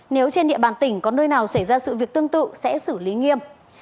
nếu trên địa bàn tỉnh có nơi nào xảy ra sự việc tương tự sẽ xử lý nghiêm